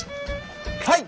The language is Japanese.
はい！